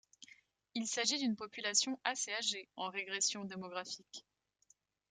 Il s'agit d'une population assez âgée, en régression démographique.